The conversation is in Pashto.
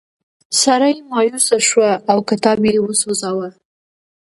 سړی مایوسه شو او کتاب یې وسوځاوه.